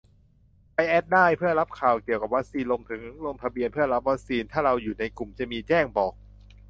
ไปแอดได้ เพื่อรับข่าวเกี่ยวกับวัคซีน รวมถึงลงทะเบียนเพื่อรับวัคซีน ถ้าเราอยู่ในกลุ่ม จะมีแจ้งบอก